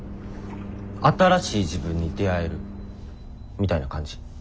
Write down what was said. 新しい自分に出会えるみたいな感じ？